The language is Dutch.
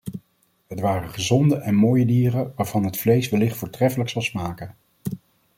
Het waren gezonde en mooie dieren waarvan het vlees wellicht voortreffelijk zal smaken.